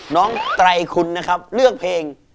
ไตรคุณนะครับเลือกเพลง